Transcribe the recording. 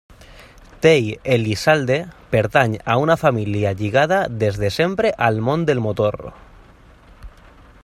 Tei Elizalde pertany a una família lligada des de sempre al món del motor.